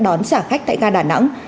đón trả khách tại ga đà nẵng